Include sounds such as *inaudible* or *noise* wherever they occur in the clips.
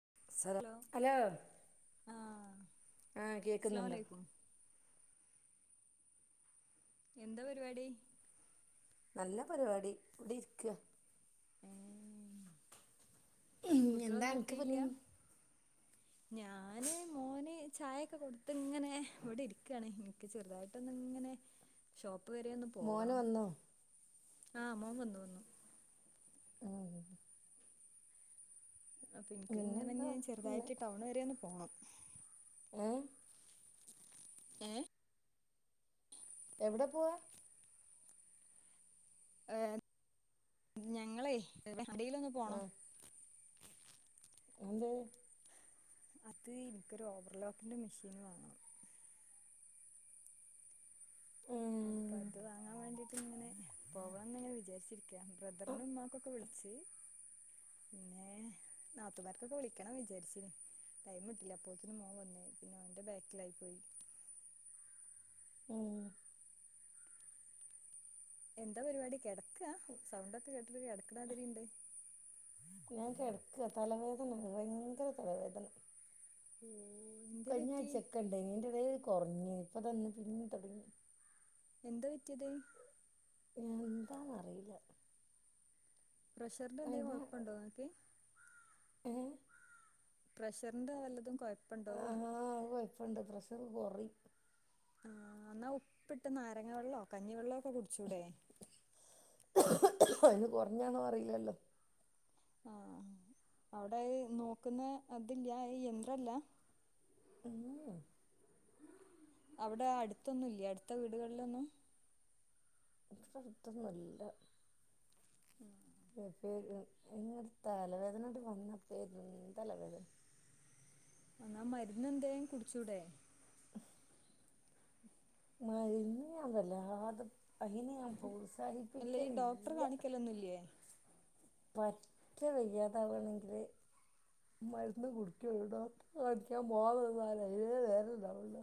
*unintelligible* Hello ആഹ് ആഹ അസ്സലാമു കേൾക്കുന്നുണ്ട്. അലൈക്കും എന്താ പരിപാടി നല്ല പരിപാടി ഇവിടെ ഇരിക്ക ഏ ഇങ്ങേന്താ കുട്ടികളൊന്നും ഇനിക്ക് എത്തിയില്ല പനീ ഞാന് മോന് ചായക്കെ കൊടുത്ത്ങ്ങനെ ഇവിടെ ഇരിക്കയാണ് എനിക്ക് ചെറുതായിട്ട ഒന്ന ഇങ്ങനെ ഷോപ്പ് പ്പ് വരെ ഒന്ന് മോന് പോവണം വന്നോ ആഹ മോൻ വന്നു വന്നു ഓ അപ്പൊ എനിക്ക് പിന്നെന്താ ഇങ്ങനെ പിന്നെ ചെറുതായിട്ട് ടൗൺ വരെയൊന്ന് പോണം ഏഹ് ഏ എവിടെ പോവാ ഏ ഞങ്ങളെ *unintelligible* അടിയിലൊന്ന് പോണം എന്തേ അത് ഇനിക്കൊരു ഓവർലോക്കിന്റെ മെഷീൻ വാങ്ങണം അപ്പൊ ഉം അത് വാങ്ങാൻ വേണ്ടിട്ട് ഇങ്ങനെ പോവണംന്ന്ങ്ങനെ വിചാരിച്ചിരിക്ക ബ്രദറിന് ഉമ്മാക്കൊക്കെ വിളിച്ച് പിന്നെ നാത്തുമാർക്കൊക്കെ വിളിക്കണം വിചാരിച്ചീനി ടൈം കിട്ടീല്ല അപ്പോത്തിന് മോൻ വന്ന് പിന്നെ അവന്റെ ബാക്കിലായി പോയി ഉം എന്താ പരിപാടി കെട സൗണ്ടക്കെ കിടക്കണാതിരിണ്ട് ഞാൻ കിടക്ക തലവേദന ഭയ്ങ്കര തലവേദന ഉം കഴിഞ്ഞാഴ്ചൊക്ക എണ്ട് എന്റത് കുറഞ്ഞ ഇപ്പൊ തന്ന് പിന്നീ തൊടങ്ങി എന്താ പറ്റിയത് എന്താന്നറിയില്ല പ്രഷറിന്റെ എന്തെലും കൊഴപ്പുണ്ടോ നിനക്ക് ഏ പ്രഷറിന്റെ വല്ലതും കൊഴ ഇപ്പണ്ടോന്ന് പണ്ട് പ്രഷർ കൊറയും ആഹ എന്നാ ഉപ്പിട്ട് നാരങ്ങ വെള്ളോ കഞ്ഞിവെള്ളൊക്കെ കുടിച്ചൂടെ അന് കൊറഞ്ഞാണോ അറിയില്ലല്ലോ ആഹ അവിടെ നോക്കുന്ന അതില്ല ആ എന്ത്രില്ല ഉ അവിടെ അടുത്തൊന്നുംല്ല അടുത്ത വീടുകളിലൊന്നും ഇ അടുത്തൊന്നല്ല ഉ ഇങ്ങ തലവേദനോട്ട് വന്ന പ തലവേദന എന്നാ മരുന്ന് എന്തേ കുടിച്ചൂടേ ഉ മ ഇന്ന് ഞാൻ വരില്ല ആദ അയിന് ഞാൻ അല്ല ഈ ഡോക്ടറെ പ്രോത്സാഹിപ്പിക്കലില്ല കാണിക്കലൊന്നുംല്ലേ പറ്റ വയ്യാത വണങ്കില് മരുന്ന് കുടിക്കുള്ളൂ ഡോക്ടറെ കാണിക്കാൻ പോകന്നാല *unintelligible* വേറെല്ല ഉള്ളത്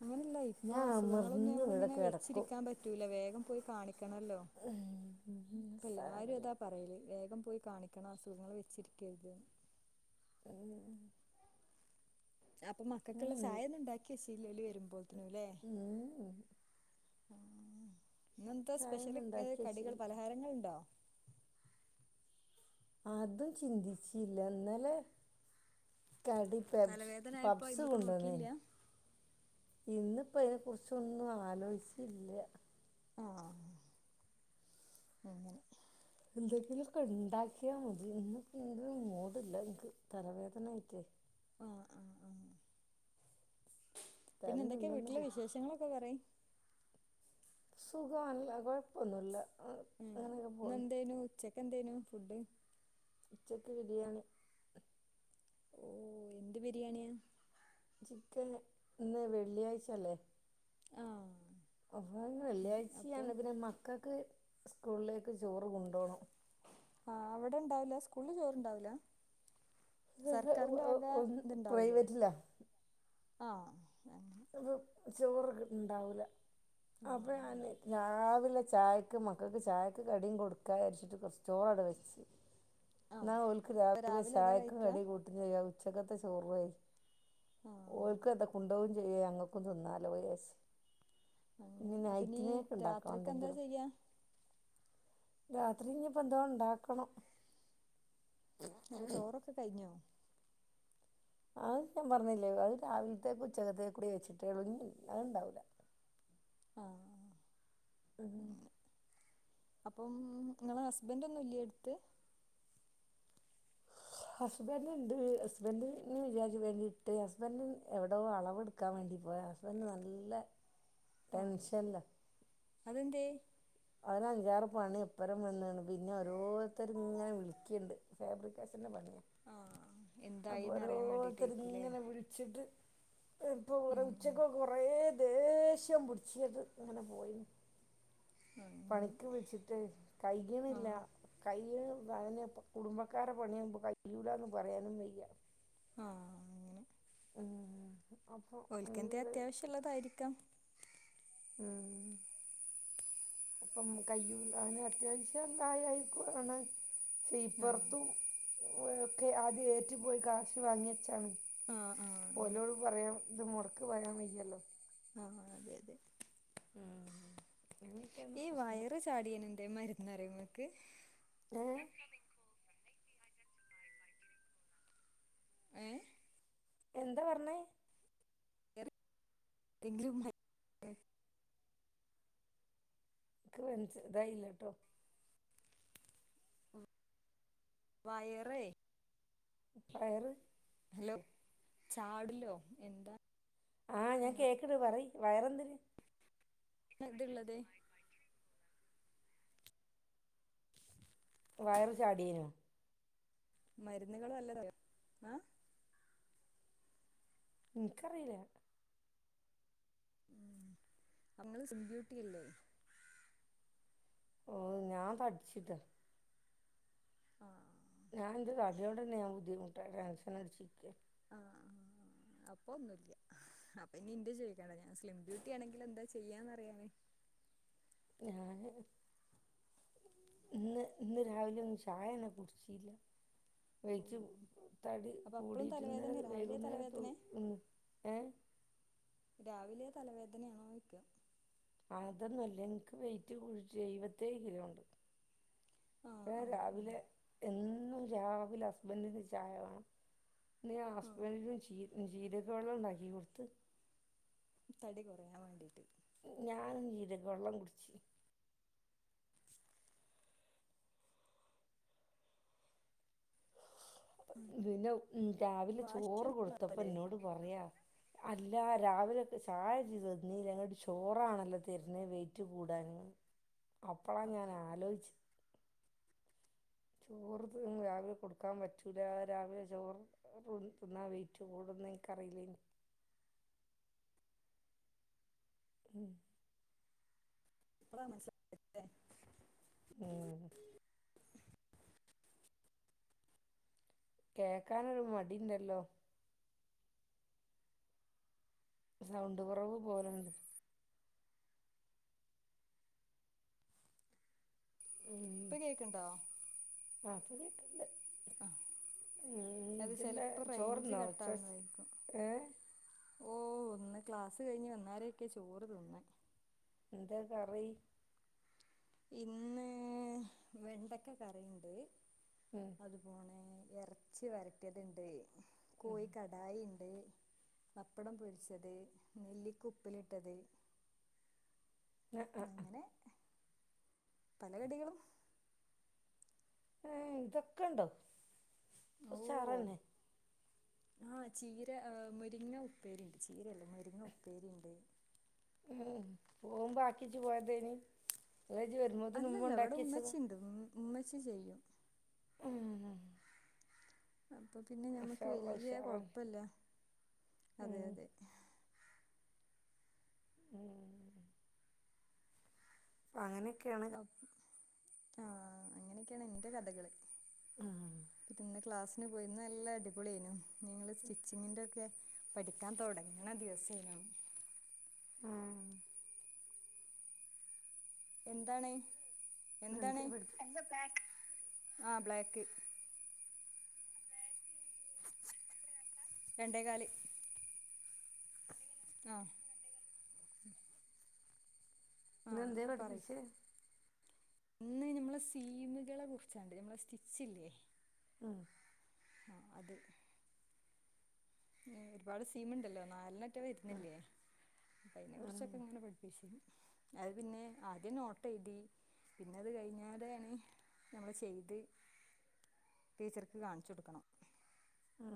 അങ്ങനെയല്ല ഇപ്പൊ അസുഖങ്ങളൊന്നും നമ്മള് ഇവിടെ ഇങ്ങനെ കിടക്കും വെച്ചിരിക്കാൻ പറ്റൂല വേഗം പോയി കാണി ണല്ലോ ഉം. ഇപ്പല്ലാരും സാരല്ല അതാ പറയലേ വേഗം പോയി കാണിക്കണ അസുഖങ്ങള് വെച്ചിരിക്കരുത് അ അപ്പൊ മക്കൾക്കുള്ള ചായ ഒന്നും ഉണ്ടാക്കി വശീല്ലലി വരുമ്പോത്തിനുംല്ലേ ഉം. ഇന്നെന്താ സാധനം സ്പെഷ്യല് ഏ ഉണ്ടാക്കിയ കടികൾ ചെയ്യും പലഹാരങ്ങള്ണ്ടോ അതും ചിന്തിച്ചില്ല ഇന്നലേ കടി പബ്സ് തലവേദന ആയപ്പോ പബ്സ് അയ്മക്ക് കൊണ്ട് വന്നാരുന്ന് നോക്കിയില്ല ഇന്നിപ്പോ അതിനെ കുറിച്ചൊന്നും ആലോയിച്ചില്ല ആ അങ്ങനെ എന്തങ്കിലൊക്കെ ഇണ്ടാക്കിയാ മതി *unintelligible* എന്തും മോടില്ല എനക്ക് തലവേദനയിട്ടേ ആ ആ ആ പിന്നെ എന്തൊക്കെയാ തലനുള്ളെന്ന് വീട്ടിലെ കു- വിശേഷങ്ങളൊക്കെ പറയും സുഖല്ല കുഴപ്പൊന്നുല്ല ഉം ഇന്ന് എന്തേനു ഉച്ചക്കെന്തേനു ഫുഡ് ഉച്ചക്ക് ബിരിയാണി ഓ എന്ത് ബിരിയാണിയാ ചിക്കൻ ഇന്ന് വെള്ളിയാഴ്ചല്ലേ ആ അപ്പ വെള്ളിയാഴ്ചയാണ് പിന്നെ മക്കൾക്ക് സ്കൂളിലേക്ക് ചോറ് കൊണ്ടോണം ആഹ് അവിടെ ഇണ്ടാവില്ല സ്കൂളില് ചോറ്ണ്ടാവില്ല ഒ പ്രൈവറ്റില്ല ആ അപ്പോ ചോറൊക്കൊ ഇണ്ടാവൂല അപ്പ ആഹ് ഞ രാവിലെ ല്ല ചായക്ക് മക്കൾക്ക് ചായക്ക് കടിയും കൊടുക്കാ അരിച്ചിട്ട് കൊറച്ച് ചോറവിടെ വെച്ച് ആഹ് ന്നാ ഒൽക്ക് അപ്പൊ രാവിലെ അതാ ചായക്കും കഴിക്കാ കടി കൂട്ടി ച്ചകത്തെ ചോറുവായി ആഹ് ഓർക്ക് എന്തൊ കൊണ്ടോ ചെയ ഞങ്ങൾക്ക് തിന്നാലോ ചാര്ച് അങ്ങനെ അപ്പ നീ രാത്രിക്കെ എന്താ എന്തെങ്കിലും ചെയ്യാ രാത്രി ഇനിപ്പോ എന്തോ ഉണ്ടാക്കണം അപ്പൊ ചോറൊക്കെ കഴിഞ്ഞോ ആത് പ്പ പറഞ്ഞില്ലേ അത് രാവിലത്തെ ഉച്ചകത്തേകൂടി വെച്ചിട്ടേള്ളൂ അത്ണ്ടാവൂല ആഹ് ഉം അപ്പം നിങ്ങളെ ഹസ്ബൻറ് ഒന്നും ഇല്ലെ അടുത്ത് ഹസ്ബൻറ് ഇണ്ട് ഹസ്ബൻഡ് വിചാരിച്ച വേണ്ടിട്ട് ഹസ്ബൻഡ് എവിടോ അളവ്ട്ക്കാൻ വേണ്ടി പോയ ഹസ്ബൻഡ് നല്ല ആഹ് ടെൻഷല അതെന്തേ അവന് അഞ്ചാറ് പണി എപ്പരം വന്ന്ണ് പിന്നെ ഓരോരുത്തര് ഇങ്ങനെ വിളിക്കിണ്ട് ഫാബ്രിക്കേഷന്റെറെ പണി ആഹ് അപ്പൊ എന്തായിന്ന് അറിയാൻ ഓരോരുത്തര് വേണ്ടിട്ടായിരിക്കൂല്ലേ ഇങ്ങനെ വിളിച്ചിട്ട് ഇപ്പൊ കൊറേ ഉം ഉച്ചകൊക്കെ കൊറേ ദേഷ്യം പിടിച്ചട്ട് അങ്ങനെ പോയി ഉം അങ്ങനെ പണിക്ക് വിളിച്ചിട്ട് കയ്യ്ണില്ല ആഹ് കയ്യ് അതന്നെ പ്പം കുടുംബക്കാരെ പണിയാകുമ്പോ കയ്യൂല ന്ന് പറയാനും വയ്യ. ആഹ് അങ്ങനെ ഉം അപ്പം ഒൽക്കെന്തെ അതില് അത്യാവശ്യ ള്ളതായിരിക്കാം ഉം അപ്പം കയ്യൂ അങ്ങനെ അത്യാവശ്യം *unintelligible* ക്ഷെ ആഹ് ഇപ്പർത്തും ഒ ഒക്കെ ആദ്യ ഏറ്റു പോയി ക്യാഷ് വാങ്ങി ചാണ് ആഹ് ആഹ് അങ്ങനെ ഓലോട് പറയാം ഇത് മുർക്ക് പറയാൻ വയ്യല്ലോ. ആഹ് അതെ അതെ ആഹ് ഈ വയറ് ചാടിയൻ എന്തെ മരുന്ന് അറിയോ നിങ്ങ ക്ക് ഏഹ് ഏഹ് എന്താ പറഞ്ഞത് എങ്കിലും *unintelligible* ൻക്ക്‌ മനസ്സ് ഇതായില്ലട്ടോ വയറെ വയറ് ലോ ചാട്ലോ എന്താ ആഹ് ഞാൻ കേക്ക്ണ്ട് പറയ് വെറെന്തില് ന്ന്ന്ത്ള്ളത് വയറ് ചാടീനു മരുന്നുകള് വല്ലത് അ ഇന്ക്കറിയില ഉം അങ്ങൾ സ്ലിം ബ്യൂട്ടി അല്ലേ ഓ ഞാൻ തടിച്ചിട്ട ആഹ് ഞാനെന്റെ തലയോടന്ന ഞാൻ ബുദ്ധിമുട്ട ടെൻഷൻ അടിച്ചിക്ക ആഹ് അപ്പോന്നുല്ല അപ്പൊ ഇനി ഇന്റെ ചോയ്ക്കണ്ട ഞാൻ സ്ലിം ഡ്യൂട്ടി ആണെങ്കിലെന്താ ചെയ്യാ ചെയ്യാന്ന്റിയാന്േ ഞാന് ഇന്ന് ഇന്ന് രാവിലൊന്നു ചായയന്നെ കുടിച്ചില വയ്ച്ച് ഓഹ് തടി അപ്പൊ അപ്പളും കൂടിട്ടിന്നലെ തലവേദന രാവിലെ വേകുന്നേരത്ത് തലവേദനേ ഏ തലവേദനയായ്ക്ക അതൊന്നുല്ല നിക്ക് വെയിറ്റ് കുടീറ്റ് എഴുപത്തേഴ് കിലോണ്ട് ആഹ് ഏഹ് ആഹ് രാവിലെ ആഹ് എന്നു ന്നും രാവിലെ ഹസ്ബൻ്റിന് ചായ വേണം ന ആഹ് അസ്ബൻ്റ്ന്ന് ചീ ജീരക വെള്ള ണ്ടാക്കി കൊടുത്ത് തടി കുറയാൻ വേണ്ടിയിട്ട് ഞാനും ജീരക വെള്ളം കുടിച്ച് പിന്നെ ഉം രാവിലെ ചോറ് കൊടുത്തപ്പ വാശില്ലേ എന്നോട് പറയാ അല്ല രാവിലെത്തെ ചായ ഇജ്ജ് തന്നീല ന്ന്ട്ട് ചോറാണല്ലോ തരണെ വെയിറ്റ് കൂടാന് അപ്പള ഞാൻ ആലോച്ച് ചോറ് തി രാവിലെ കൊ കൊടുക്കാൻ പറ്റും ചുല രാവിലെ ചോറ് തിന്നാ വെയ്റ്റ് കൂട്ന്ന് എനിക്കറിലേനു ഉം ഇപ്പളാ മനസിലായതല്ലേ ഉം കേക്കാനൊരു മടിണ്ടല്ലോ സൗണ്ട് കുറവ് പോലണ്ട് ഇപ്പൊ കേക്കണ്ടോ ആഹ് പ്പോ കേക്ക്ണ്ട് അഹ് ഉം അത് ഇജ്ജെന്താ ചെലപ്പോ റേയ്ഞ്ച് ചോറ്ന്നോ കട്ടാ ഉച്ച വുന്നതായിരിക്കു ഏ ഓ ഒന്ന് ക്ലാസ് കഴിഞ്ഞ് വന്നാരെയൊക്കെ ചോറ് തിന്നെ എന്താ കറി ഇന്ന് വെണ്ക്ക കറീണ്ട് ഉം അത് പോണേ ഇറച്ചി വരട്ടിയത്ണ്ട് കോയി കടായി ഇണ്ട് പപ്പടം പൊരിച്ചത് നെല്ലിക്ക ഉപ്പിലിട്ടത് ഉ ആ അങ്ങനെ പല കടികളും ഏ ഇതൊക്കെ ഇണ്ടോ ഉഷാറ തന്നെ ആഹ ചീര മുരിങ്ങ ഉപ്പേരിയ ഉണ്ട് ചീരയല്ല മരിങ്ങ ഉപ്പേരിയ ഉണ്ട് ഉ പോകുമ്പോ ബാക്കിച്ച്ു പോയതേനി അല്ല ഇജ്ജ് വരുമ്പോത്തിന് അല്ല ഉമ്മ ഇവിടെ ഉണ്ടാക്കി വെച്ചതാ ഉമ്മച്ചിയുണ്ട് ഉ ഉമ്മ ചെയ്യും ഉം അപ്പൊ പിന്നെ ഞമ്മുക്ക് മാഷാ അള്ളാ വലിയ ഉഷാറാണ് കൊഴപ്പല്ല അതെ ഉം അതെ ഉ അങ്ങനെ അ ആഹ അങ്ങനെയൊക്കെയാണ് എന്റെ കഥകള് ഉം. പിന്നെ ക്ലാസ് പോയി നല്ല അടിപൊളിനും നിങ്ങള് സ്റ്റിച്ചിങ്ങിന്റെ ഒക്കെ പഠിക്കാൻ തുടങ്ങണ ദിവസന ഉം. എന്താണ് എന്താണ് ഇന്നെന്തേ പഠിപ്പി ആഹ ബ്ലാക്ക് രണ്ടേ കാലി ആഹ ഇന്ന് എന്ത പഠപ്പിച്ചേ ഇന്ന് നമ്മളെ സീമുകളെ കുറിച്ചണ്ട് നമ്മളെ സ്റ്റിിച്ച ഇല്ലേ ഉം. ആ അത് ഒരുപാട് സീമുണ്ടല്ലോ നാലിനെ മറ്റ വരുന്നില്ലേ അപ്പ അതിനെ ഉം. കുറിച്ചൊക്കെ ഇങ്ങനെ പഠിപ്പിച്ചും അത് പിന്നെ ആദ്യം നോട്ട് എഴുതി പിന്നെ അത് കഴിഞ്ഞാലാണ് നമ്മൾ ചെയ്ത് ടീച്ചർക്ക് കാണിച്ചു കൊടുക്കണം ആ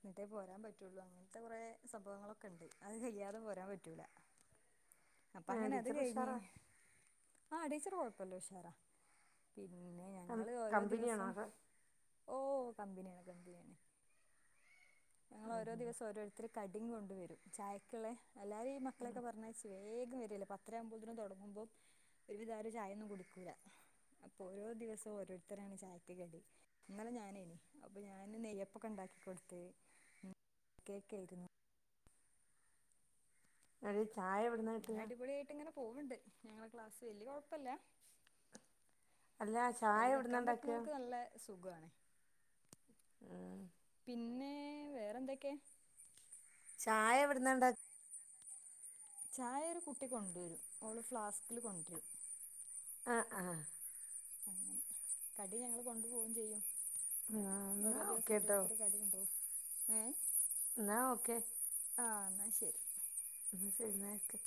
എന്നിട്ടേ പോരാൻ പറ്റുള്ളു അങ്ങനത്തെ കുറെ സംഭവങ്ങളൊക്കെ ഉണ്ട് അത് കഴിയാതെ പോരാൻ പറ്റൂല അപ്പ ഏഹ് അങ്ങനെ അത് ടീച്ചർ കഴിഞ്ഞ ഉഷാറാ ആ അ ഇപ്പൊ കുഴപ്പമില്ല ഉഷാറ പിന്നെ കം ഞങ്ങള് ഓരോ കമ്പനിയാണോ ദിവസം അതോ? ഓ കമ്പനി ആണ് കമ്പനി ആണ് ഉം. ഞങ്ങളഓരോ ഉം. ദിവസം ഓരോരുർത്തരു ക ഡ കൊണ്ടുവരും ചായക്കുള്ള എല്ലാരും ഈ മക്കളൊക്കെ പറഞ്ഞാച്ചുവേ അത് വേഗം വരില്ല പത്രംകുമ്പോത്തേനും തുടങ്ങുമ്പോം ഒരുവിധരം ചായൊന്നും കൊടുക്കൂില്ല അപ്പോൾ ഓരോ ദിവസവും ഓരോരുത്തരാണ് ചായക്ക് കടി ഇന്നലെ ഞാന ഇനി അപ്പോൾ ഞാൻ നെയ്യപ്പൊക്കെ ഉണ്ടാക്കി കൊടുത്ത് ഉ കേക്കായിരുന്നു അ ചായ എവിടന്ന് അങ്ങനെ കിട്ടുക അടിപൊളിയായിട്ട് ഇങ്ങനെ പോവ്ണ്ട് ഞങ്ങളെ ക്ലാസ്സ് വെല്ല്യ കൊഴപ്പല്ല അല്ല ചായ അയ്ല് എവിടുന്നാ വെക്കാൻ ഉണ്ടാക്കുക? പറ്റ്ണോൽക്ക് നല്ല സുഖാണ് ഉം. പിന്നെ എ വേറെന്തെക്കെ ചായ എവ്ട്ന്ന ണ്ടാ ചായ ഒരു കുട്ടി കൊണ്ടുവരും ഓള് ഫ്ലാസ്കില് കൊൺ ര്രും ആ ആ അങ്ങനെ കടി ഞങ്ങൾ കൊണ്ട് പോവും ചെയ്യും ആഹ് എന്നാ ഓരോ ദിവസം ഓക്കേട്ടോ. ഓരോര്ത്തര് കടികൊണ്ടോവും മ് - എന്നാ ഓക്കെ- ആ എന്നാ ശരി- എന്ന ശരി ഓക്കേ-